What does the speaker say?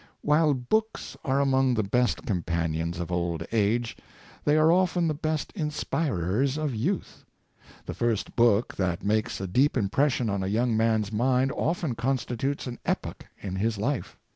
While books are among the best companions of old age, they are often the best inspirers of youth. The first book that makes a deep impression on a young man's mind often constitutes an epoch in his life.